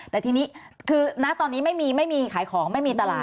แต่ทีนี้คือณตอนนี้ไม่มีไม่มีขายของไม่มีตลาด